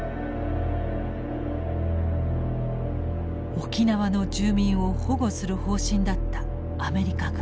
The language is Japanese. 沖縄の住民を保護する方針だったアメリカ軍。